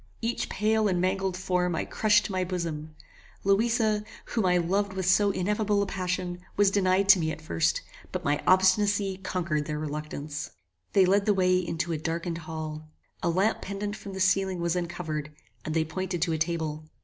Each pale and mangled form I crushed to my bosom. Louisa, whom I loved with so ineffable a passion, was denied to me at first, but my obstinacy conquered their reluctance. They led the way into a darkened hall. A lamp pendant from the ceiling was uncovered, and they pointed to a table.